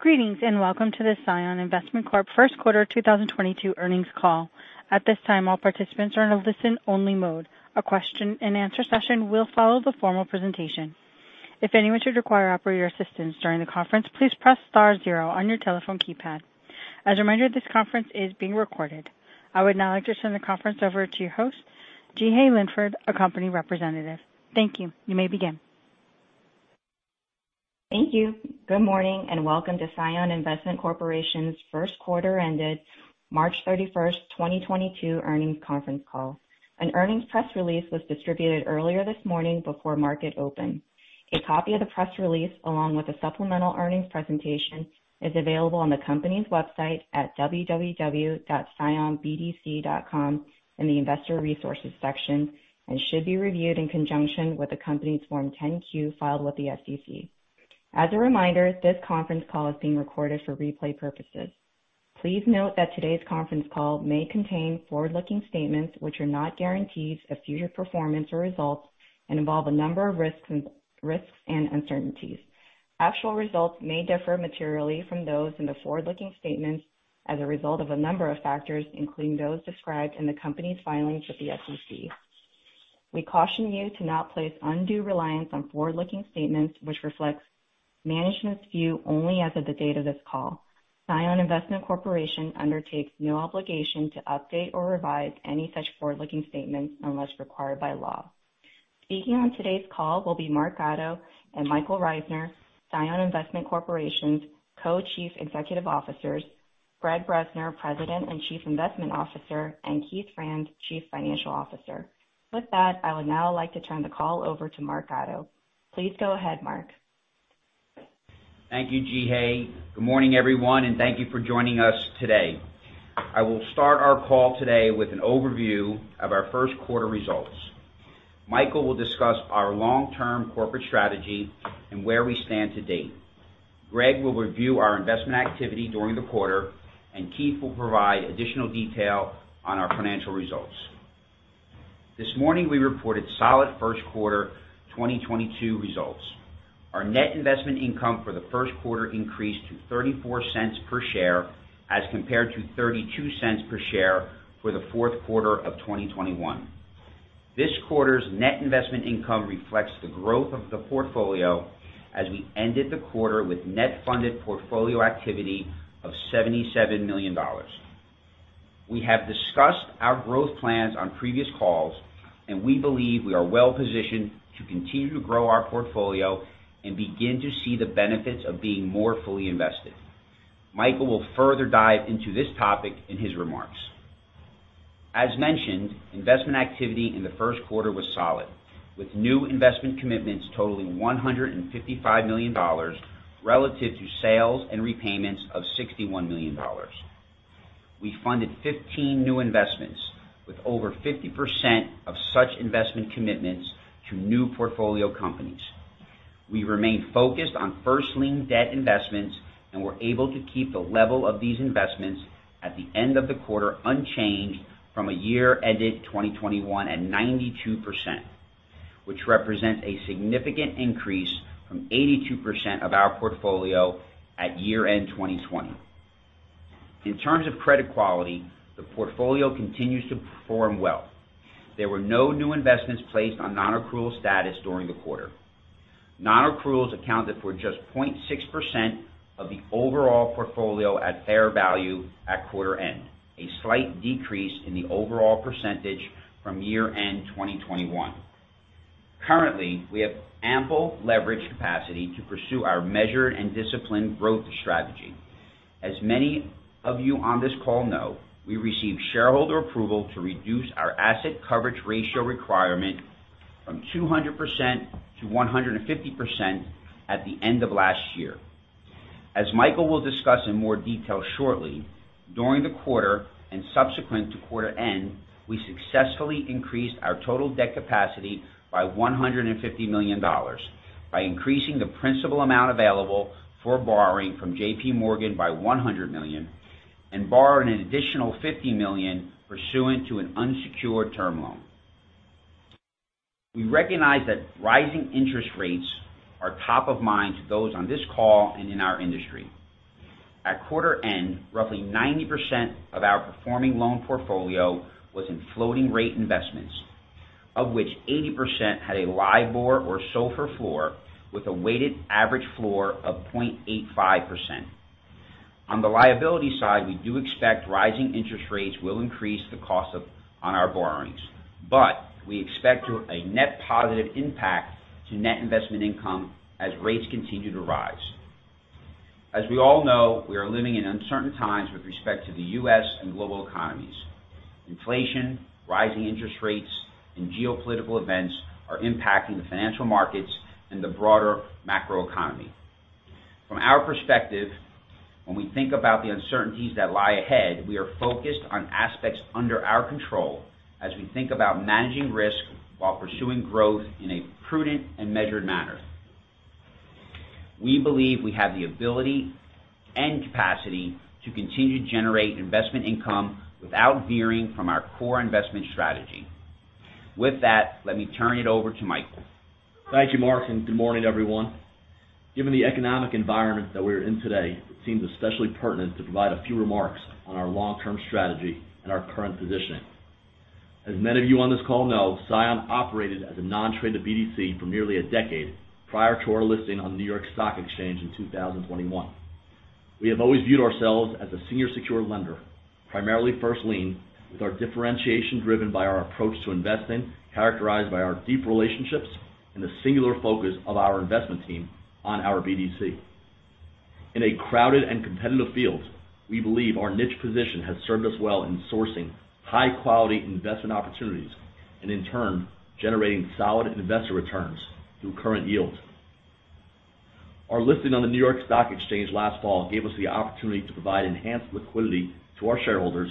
Greetings, and welcome to the CION Investment Corp First Quarter 2022 Earnings Call. At this time, all participants are in a listen-only mode. A question-and-answer session will follow the formal presentation. If anyone should require operator assistance during the conference, please press star zero on your telephone keypad. As a reminder, this conference is being recorded. I would now like to turn the conference over to your host, Jeehae Linford, a company representative. Thank you. You may begin. Thank you. Good morning, and welcome to CION Investment Corporation's First Quarter Ended March 31, 2022 Earnings Conference Call. An earnings press release was distributed earlier this morning before market open. A copy of the press release, along with the supplemental earnings presentation, is available on the company's website at www.cionbdc.com in the Investor Resources section and should be reviewed in conjunction with the company's Form 10-Q filed with the SEC. As a reminder, this conference call is being recorded for replay purposes. Please note that today's conference call may contain forward-looking statements which are not guarantees of future performance or results and involve a number of risks and uncertainties. Actual results may differ materially from those in the forward-looking statements as a result of a number of factors, including those described in the company's filings with the SEC. We caution you to not place undue reliance on forward-looking statements which reflects management's view only as of the date of this call. CION Investment Corporation undertakes no obligation to update or revise any such forward-looking statements unless required by law. Speaking on today's call will be Mark Gatto and Michael Reisner, CION Investment Corporation's Co-Chief Executive Officers, Gregg Bresner, President and Chief Investment Officer, and Keith Franz, Chief Financial Officer. With that, I would now like to turn the call over to Mark Gatto. Please go ahead, Mark. Thank you, Jeehae. Good morning, everyone, and thank you for joining us today. I will start our call today with an overview of our first quarter results. Michael will discuss our long-term corporate strategy and where we stand to date. Gregg will review our investment activity during the quarter, and Keith will provide additional detail on our financial results. This morning, we reported solid first quarter 2022 results. Our net investment income for the first quarter increased to $0.34 per share as compared to $0.32 per share for the fourth quarter of 2021. This quarter's net investment income reflects the growth of the portfolio as we ended the quarter with net funded portfolio activity of $77 million. We have discussed our growth plans on previous calls, and we believe we are well-positioned to continue to grow our portfolio and begin to see the benefits of being more fully invested. Michael will further dive into this topic in his remarks. As mentioned, investment activity in the first quarter was solid, with new investment commitments totaling $155 million relative to sales and repayments of $61 million. We funded 15 new investments, with over 50% of such investment commitments to new portfolio companies. We remain focused on first-lien debt investments, and we're able to keep the level of these investments at the end of the quarter unchanged from a year ended 2021 at 92%, which represents a significant increase from 82% of our portfolio at year-end 2020. In terms of credit quality, the portfolio continues to perform well. There were no new investments placed on non-accrual status during the quarter. Non-accruals accounted for just 0.6% of the overall portfolio at fair value at quarter end, a slight decrease in the overall percentage from year-end 2021. Currently, we have ample leverage capacity to pursue our measured and disciplined growth strategy. As many of you on this call know, we received shareholder approval to reduce our asset coverage ratio requirement from 200% to 150% at the end of last year. As Michael will discuss in more detail shortly, during the quarter and subsequent to quarter end, we successfully increased our total debt capacity by $150 million by increasing the principal amount available for borrowing from JPMorgan by $100 million and borrowed an additional $50 million pursuant to an unsecured term loan. We recognize that rising interest rates are top of mind to those on this call and in our industry. At quarter end, roughly 90% of our performing loan portfolio was in floating rate investments, of which 80% had a LIBOR or SOFR floor with a weighted average floor of 0.85%. On the liability side, we do expect rising interest rates will increase the cost of our borrowings, but we expect a net positive impact to net investment income as rates continue to rise. As we all know, we are living in uncertain times with respect to the U.S. and global economies. Inflation, rising interest rates, and geopolitical events are impacting the financial markets and the broader macroeconomy. From our perspective, when we think about the uncertainties that lie ahead, we are focused on aspects under our control as we think about managing risk while pursuing growth in a prudent and measured manner. We believe we have the ability and capacity to continue to generate investment income without veering from our core investment strategy. With that, let me turn it over to Michael. Thank you, Mark, and good morning, everyone. Given the economic environment that we're in today, it seems especially pertinent to provide a few remarks on our long-term strategy and our current positioning. As many of you on this call know, CION operated as a non-traded BDC for nearly a decade prior to our listing on New York Stock Exchange in 2021. We have always viewed ourselves as a senior secured lender, primarily first lien, with our differentiation driven by our approach to investing, characterized by our deep relationships and the singular focus of our investment team on our BDC. In a crowded and competitive field, we believe our niche position has served us well in sourcing high-quality investment opportunities and in turn, generating solid investor returns through current yields. Our listing on the New York Stock Exchange last fall gave us the opportunity to provide enhanced liquidity to our shareholders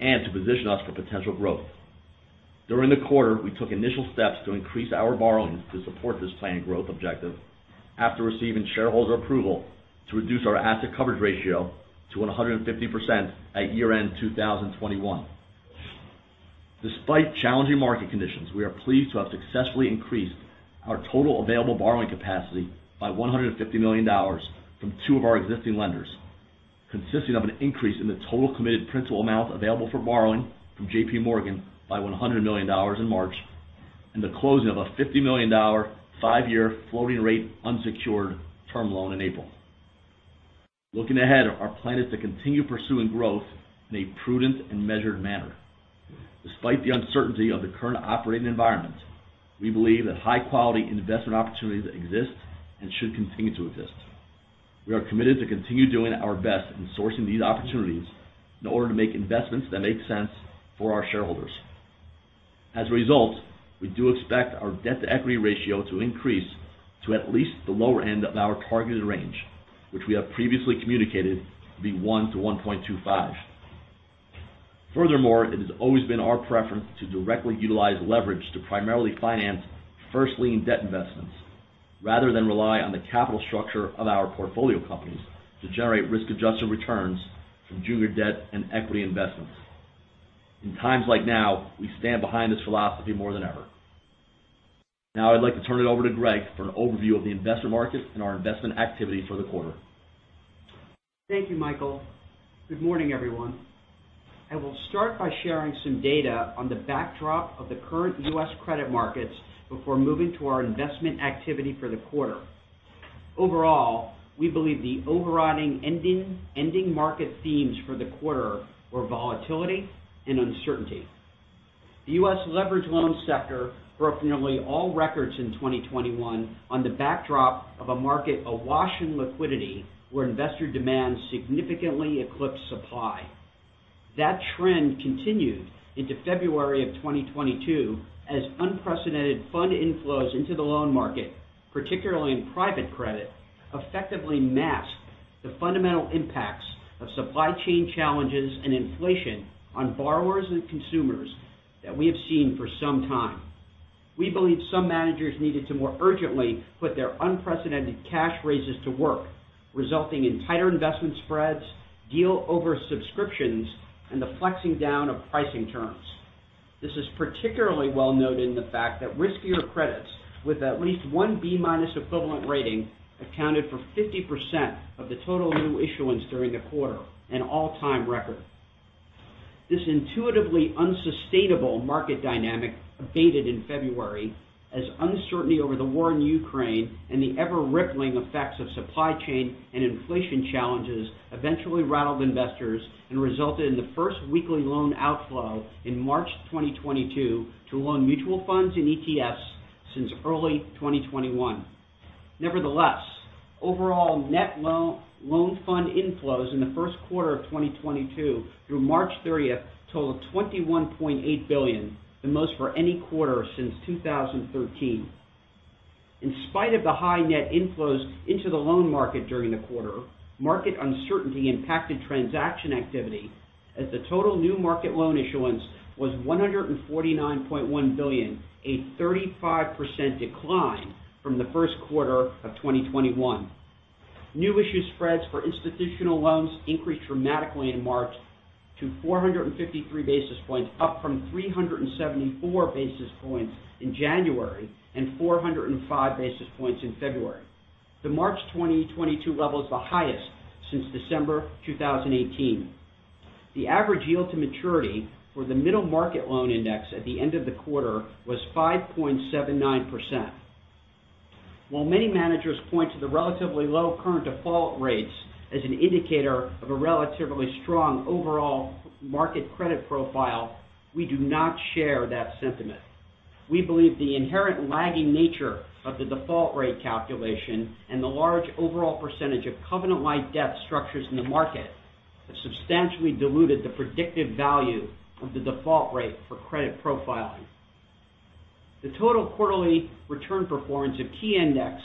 and to position us for potential growth. During the quarter, we took initial steps to increase our borrowings to support this planned growth objective after receiving shareholder approval to reduce our asset coverage ratio to 150% at year-end 2021. Despite challenging market conditions, we are pleased to have successfully increased our total available borrowing capacity by $150 million from two of our existing lenders, consisting of an increase in the total committed principal amount available for borrowing from JPMorgan by $100 million in March, and the closing of a $50 million five-year floating rate unsecured term loan in April. Looking ahead, our plan is to continue pursuing growth in a prudent and measured manner. Despite the uncertainty of the current operating environment, we believe that high-quality investment opportunities exist and should continue to exist. We are committed to continue doing our best in sourcing these opportunities in order to make investments that make sense for our shareholders. As a result, we do expect our debt-to-equity ratio to increase to at least the lower end of our targeted range, which we have previously communicated to be 1-1.25. Furthermore, it has always been our preference to directly utilize leverage to primarily finance first lien debt investments, rather than rely on the capital structure of our portfolio companies to generate risk-adjusted returns from junior debt and equity investments. In times like now, we stand behind this philosophy more than ever. Now, I'd like to turn it over to Gregg for an overview of the investment market and our investment activity for the quarter. Thank you, Michael. Good morning, everyone. I will start by sharing some data on the backdrop of the current U.S. credit markets before moving to our investment activity for the quarter. Overall, we believe the overriding enduring market themes for the quarter were volatility and uncertainty. The U.S. leveraged loan sector broke nearly all records in 2021 on the backdrop of a market awash in liquidity where investor demand significantly eclipsed supply. That trend continued into February of 2022 as unprecedented fund inflows into the loan market, particularly in private credit, effectively masked the fundamental impacts of supply chain challenges and inflation on borrowers and consumers that we have seen for some time. We believe some managers needed to more urgently put their unprecedented cash raises to work, resulting in tighter investment spreads, deal oversubscriptions, and the flexing down of pricing terms. This is particularly well noted in the fact that riskier credits with at least one B- equivalent rating accounted for 50% of the total new issuance during the quarter, an all-time record. This intuitively unsustainable market dynamic abated in February as uncertainty over the war in Ukraine and the ever-rippling effects of supply chain and inflation challenges eventually rattled investors and resulted in the first weekly loan outflow in March 2022 to loan mutual funds and ETFs since early 2021. Nevertheless, overall net loan fund inflows in the first quarter of 2022 through March 30 totaled $21.8 billion, the most for any quarter since 2013. In spite of the high net inflows into the loan market during the quarter, market uncertainty impacted transaction activity as the total new market loan issuance was $149.1 billion, a 35% decline from the first quarter of 2021. New issue spreads for institutional loans increased dramatically in March to 453 basis points, up from 374 basis points in January and 405 basis points in February. The March 2022 level is the highest since December 2018. The average yield to maturity for the middle market loan index at the end of the quarter was 5.79%. While many managers point to the relatively low current default rates as an indicator of a relatively strong overall market credit profile, we do not share that sentiment. We believe the inherent lagging nature of the default rate calculation and the large overall percentage of covenant-like debt structures in the market have substantially diluted the predictive value of the default rate for credit profiling. The total quarterly return performance of key index,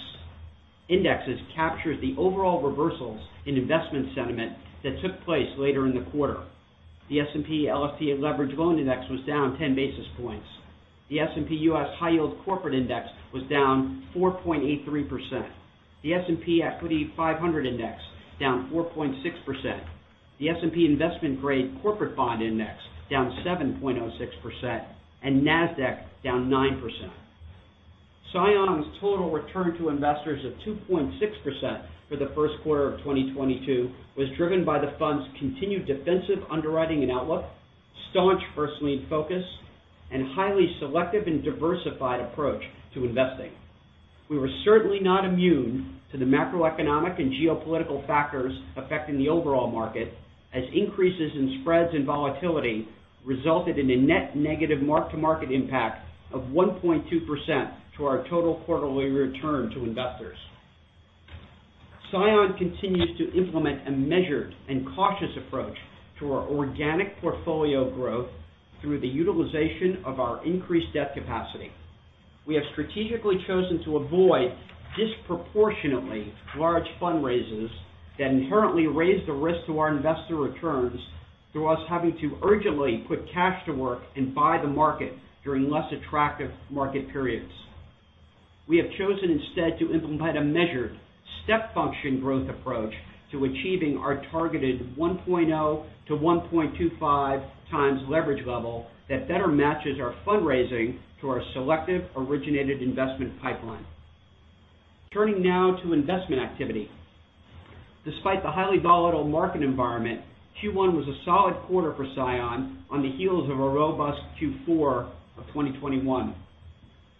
indexes captures the overall reversals in investment sentiment that took place later in the quarter. The S&P/LSTA Leveraged Loan Index was down 10 basis points. The S&P U.S. High Yield Corporate Bond Index was down 4.83%. The S&P 500 Index down 4.6%. The S&P U.S. Investment Grade Corporate Bond Index down 7.06% and NASDAQ down 9%. CION's total return to investors of 2.6% for the first quarter of 2022 was driven by the fund's continued defensive underwriting and outlook, staunch first lien focus, and highly selective and diversified approach to investing. We were certainly not immune to the macroeconomic and geopolitical factors affecting the overall market as increases in spreads and volatility resulted in a net negative mark-to-market impact of 1.2% to our total quarterly return to investors. CION continues to implement a measured and cautious approach to our organic portfolio growth through the utilization of our increased debt capacity. We have strategically chosen to avoid disproportionately large fundraisers that inherently raise the risk to our investor returns through us having to urgently put cash to work and buy the market during less attractive market periods. We have chosen instead to implement a measured step function growth approach to achieving our targeted 1.0x-1.25x leverage level that better matches our fundraising to our selective originated investment pipeline. Turning now to investment activity. Despite the highly volatile market environment, Q1 was a solid quarter for CION on the heels of a robust Q4 of 2021.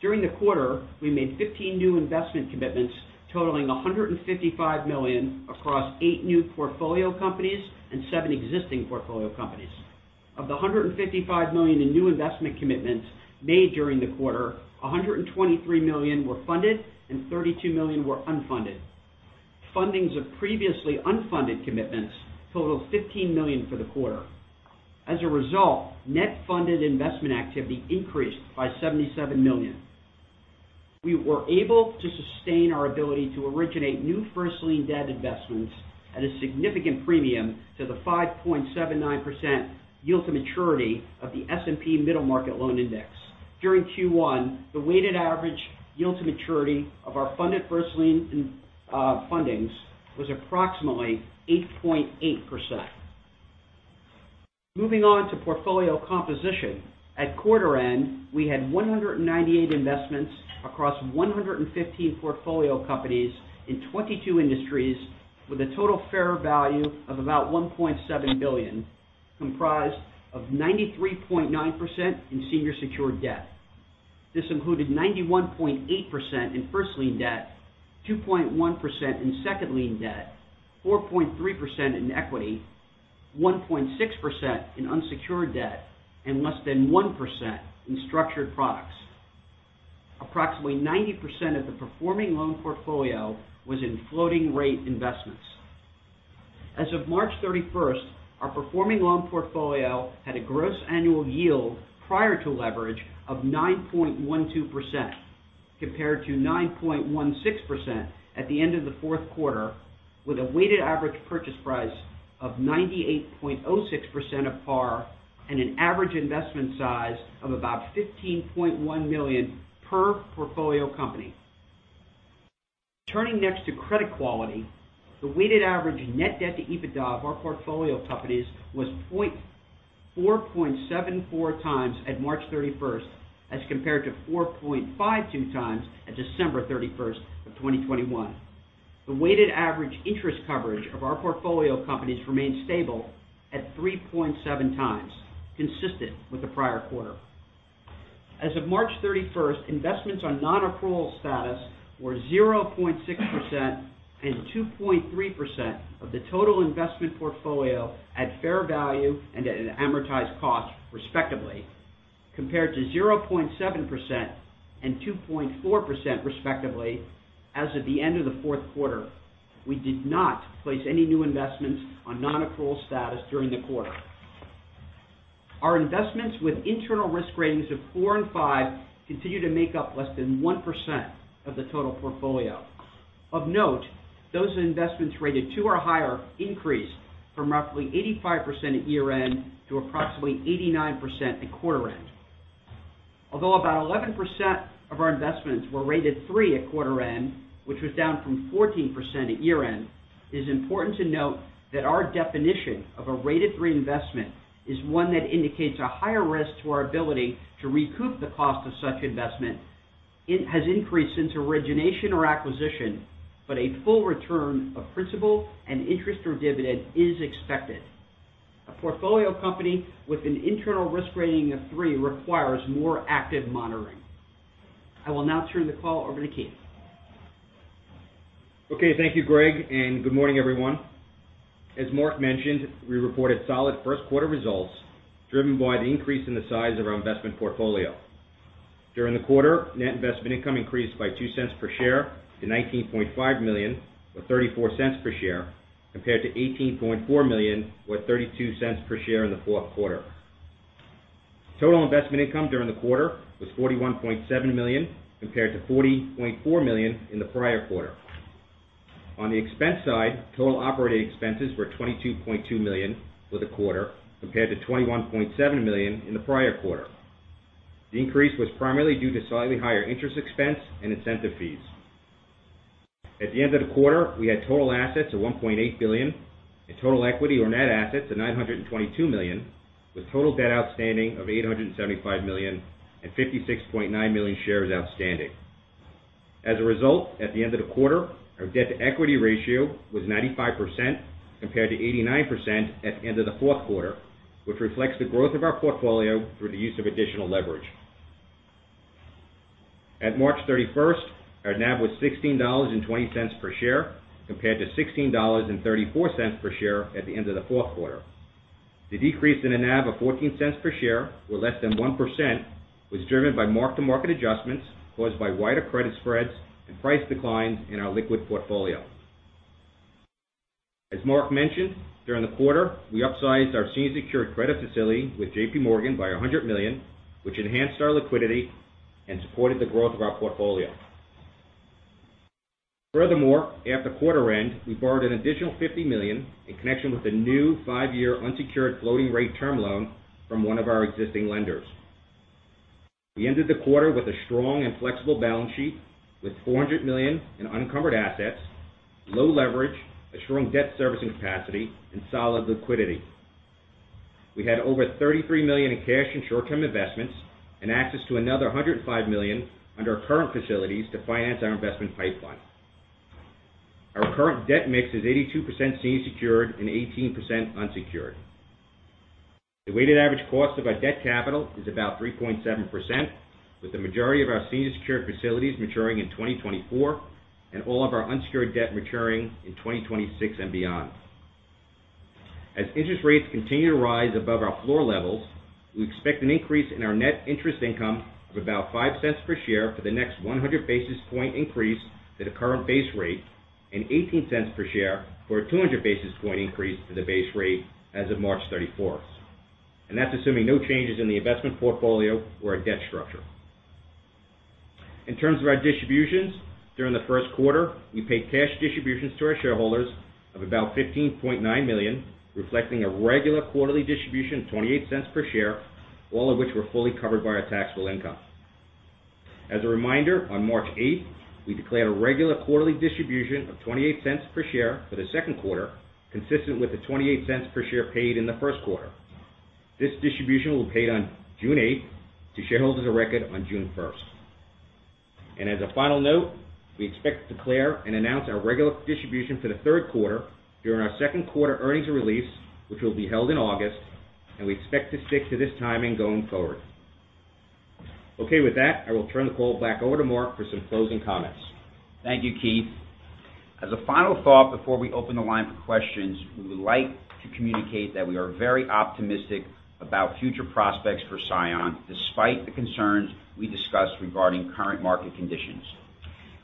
During the quarter, we made 15 new investment commitments totaling $155 million across eight new portfolio companies and seven existing portfolio companies. Of the $155 million in new investment commitments made during the quarter, $123 million were funded and $32 million were unfunded. Fundings of previously unfunded commitments totaled $15 million for the quarter. As a result, net funded investment activity increased by $77 million. We were able to sustain our ability to originate new first lien debt investments at a significant premium to the 5.79% yield to maturity of the S&P middle market loan index. During Q1, the weighted average yield to maturity of our funded first lien fundings was approximately 8.8%. Moving on to portfolio composition. At quarter end, we had 198 investments across 115 portfolio companies in 22 industries with a total fair value of about $1.7 billion, comprised of 93.9% in senior secured debt. This included 91.8% in first lien debt, 2.1% in second lien debt, 4.3% in equity, 1.6% in unsecured debt, and less than 1% in structured products. Approximately 90% of the performing loan portfolio was in floating rate investments. As of March 31, our performing loan portfolio had a gross annual yield prior to leverage of 9.12% compared to 9.16% at the end of the fourth quarter, with a weighted average purchase price of 98.06% of par and an average investment size of about $15.1 million per portfolio company. Turning next to credit quality. The weighted average net debt to EBITDA of our portfolio companies was 4.74x at March 31 as compared to 4.52x at December 31, 2021. The weighted average interest coverage of our portfolio companies remained stable at 3.7x, consistent with the prior-quarter. As of March 31, investments on non-accrual status were 0.6% and 2.3% of the total investment portfolio at fair value and at an amortized cost, respectively, compared to 0.7% and 2.4%, respectively, as of the end of the fourth quarter. We did not place any new investments on non-accrual status during the quarter. Our investments with internal risk ratings of four and five continue to make up less than 1% of the total portfolio. Of note, those investments rated two or higher increased from roughly 85% at year-end to approximately 89% at quarter-end. Although about 11% of our investments were rated three at quarter end, which was down from 14% at year-end, it is important to note that our definition of a rated three investment is one that indicates a higher risk to our ability to recoup the cost of such investment. It has increased since origination or acquisition, but a full return of principal and interest or dividend is expected. A portfolio company with an internal risk rating of three requires more active monitoring. I will now turn the call over to Keith. Okay. Thank you, Gregg, and good morning, everyone. As Mark mentioned, we reported solid first quarter results driven by the increase in the size of our investment portfolio. During the quarter, net investment income increased by $0.02 per share to $19.5 million, or $0.34 per share, compared to $18.4 million, or $0.32 per share in the fourth quarter. Total investment income during the quarter was $41.7 million compared to $40.4 million in the prior-quarter. On the expense side, total operating expenses were $22.2 million for the quarter compared to $21.7 million in the prior-quarter. The increase was primarily due to slightly higher interest expense and incentive fees. At the end of the quarter, we had total assets of $1.8 billion and total equity or net assets of $922 million, with total debt outstanding of $875 million and 56.9 million shares outstanding. As a result, at the end of the quarter, our debt-to-equity ratio was 95% compared to 89% at the end of the fourth quarter, which reflects the growth of our portfolio through the use of additional leverage. At March 31, our NAV was $16.20 per share compared to $16.34 per share at the end of the fourth quarter. The decrease in the NAV of $0.14 per share, or less than 1%, was driven by mark-to-market adjustments caused by wider credit spreads and price declines in our liquid portfolio. As Mark mentioned, during the quarter, we upsized our senior secured credit facility with JPMorgan by $100 million, which enhanced our liquidity and supported the growth of our portfolio. Furthermore, at the quarter-end, we borrowed an additional $50 million in connection with the new five-year unsecured floating rate term loan from one of our existing lenders. We ended the quarter with a strong and flexible balance sheet with $400 million in uncovered assets, low leverage, a strong debt servicing capacity, and solid liquidity. We had over $33 million in cash and short-term investments and access to another $105 million under our current facilities to finance our investment pipeline. Our current debt mix is 82% senior secured and 18% unsecured. The weighted average cost of our debt capital is about 3.7%, with the majority of our senior secured facilities maturing in 2024 and all of our unsecured debt maturing in 2026 and beyond. As interest rates continue to rise above our floor levels, we expect an increase in our net interest income of about $0.05 per share for the next 100 basis point increase to the current base rate and $0.18 per share for a 200 basis point increase to the base rate as of March 31st. That's assuming no changes in the investment portfolio or our debt structure. In terms of our distributions, during the first quarter, we paid cash distributions to our shareholders of about $15.9 million, reflecting a regular quarterly distribution of $0.28 per share, all of which were fully covered by our taxable income. As a reminder, on March 8th, we declared a regular quarterly distribution of $0.28 per share for the second quarter, consistent with the $0.28 per share paid in the first quarter. This distribution will be paid on June 8hth to shareholders of record on June 1st. As a final note, we expect to declare and announce our regular distribution for the third quarter during our second quarter earnings release, which will be held in August, and we expect to stick to this timing going forward. Okay, with that, I will turn the call back over to Mark for some closing comments. Thank you, Keith. As a final thought before we open the line for questions, we would like to communicate that we are very optimistic about future prospects for CION despite the concerns we discussed regarding current market conditions.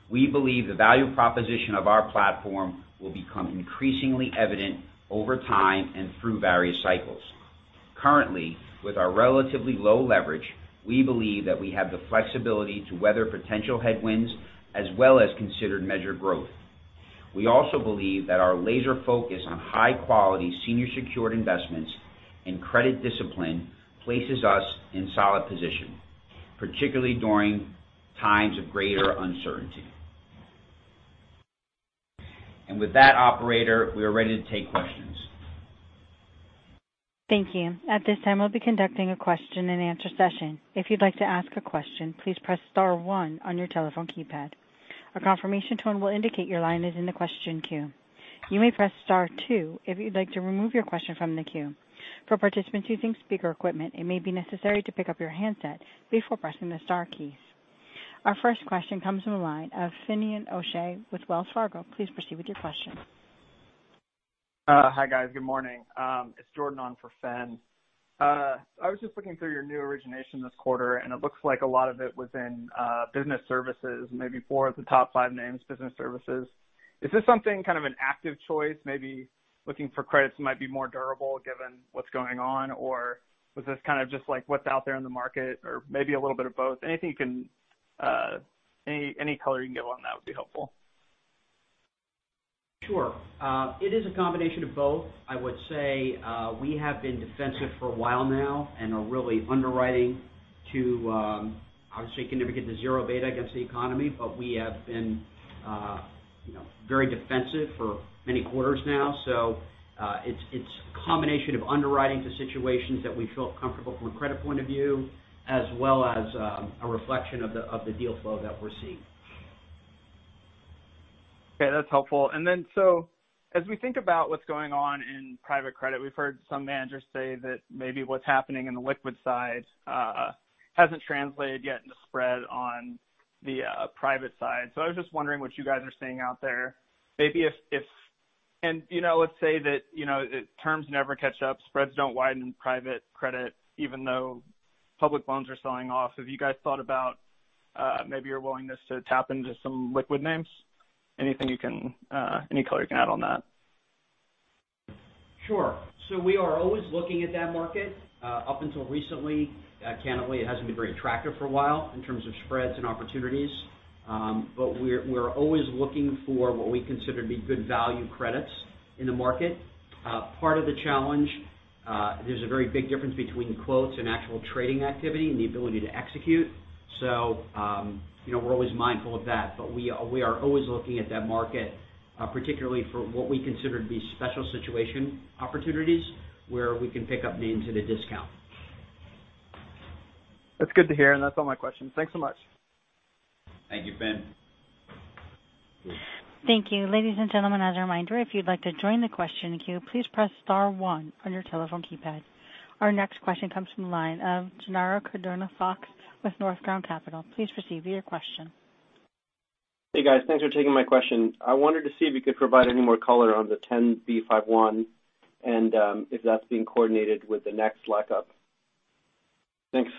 We believe the value proposition of our platform will become increasingly evident over time and through various cycles. Currently, with our relatively low leverage, we believe that we have the flexibility to weather potential headwinds as well as considered measured growth. We also believe that our laser focus on high-quality senior secured investments and credit discipline places us in solid position, particularly during times of greater uncertainty. With that operator, we are ready to take questions. Thank you. At this time, we'll be conducting a question-and-answer session. If you'd like to ask a question, please press star one on your telephone keypad. A confirmation tone will indicate your line is in the question queue. You may press star two if you'd like to remove your question from the queue. For participants using speaker equipment, it may be necessary to pick up your handset before pressing the star keys. Our first question comes from the line of Finian O'Shea with Wells Fargo. Please proceed with your question. Hi, guys. Good morning. It's Jordan on for Fin. I was just looking through your new origination this quarter, and it looks like a lot of it was in business services, maybe four of the top five names, business services. Is this something kind of an active choice, maybe looking for credits that might be more durable given what's going on? Or was this kind of just like what's out there in the market or maybe a little bit of both? Anything you can any color you can give on that would be helpful. Sure. It is a combination of both. I would say we have been defensive for a while now and are really underwriting to obviously can never get to zero beta against the economy, but we have been you know very defensive for many quarters now. It's a combination of underwriting to situations that we feel comfortable from a credit point of view as well as a reflection of the deal flow that we're seeing. Okay, that's helpful. As we think about what's going on in private credit, we've heard some managers say that maybe what's happening in the liquid side hasn't translated yet into spread on the private side. I was just wondering what you guys are seeing out there. Maybe if and, you know, let's say that, you know, terms never catch up, spreads don't widen in private credit, even though public loans are selling off. Have you guys thought about maybe your willingness to tap into some liquid names? Anything you can, any color you can add on that? Sure. We are always looking at that market. Up until recently, candidly, it hasn't been very attractive for a while in terms of spreads and opportunities. We're always looking for what we consider to be good value credits in the market. Part of the challenge, there's a very big difference between quotes and actual trading activity and the ability to execute. You know, we're always mindful of that, but we are always looking at that market, particularly for what we consider to be special situation opportunities where we can pick up names at a discount. That's good to hear, and that's all my questions. Thanks so much. Thank you, Fin. Thank you. Ladies and gentlemen, as a reminder, if you'd like to join the question queue, please press star one on your telephone keypad. Our next question comes from the line of Jenaro Cardona-Fox with North Ground Capital. Please proceed with your question. Hey, guys. Thanks for taking my question. I wanted to see if you could provide any more color on the 10b5-1 and, if that's being coordinated with the next lockup. Thanks.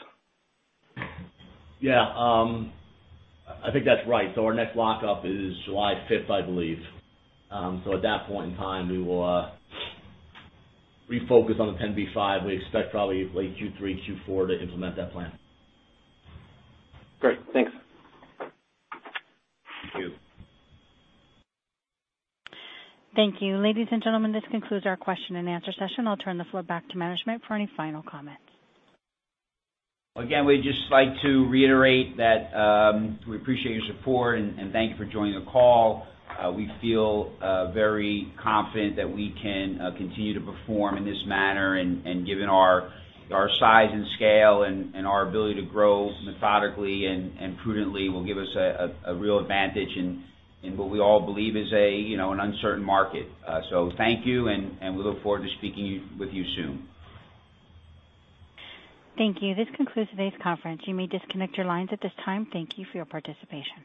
I think that's right. Our next lockup is July 5th, I believe. At that point in time, we will refocus on the 10b5-1. We expect probably late Q3, Q4 to implement that plan. Great. Thanks. Thank you. Thank you. Ladies and gentlemen, this concludes our question-and-answer session. I'll turn the floor back to management for any final comments. Again, we'd just like to reiterate that we appreciate your support and thank you for joining the call. We feel very confident that we can continue to perform in this manner, and given our size and scale and our ability to grow methodically and prudently will give us a real advantage in what we all believe is a, you know, an uncertain market. Thank you, and we look forward to speaking with you soon. Thank you. This concludes today's conference. You may disconnect your lines at this time. Thank you for your participation.